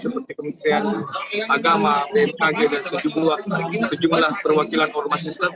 seperti kemukrian agama pmkg dan sejumlah perwakilan hormon sistem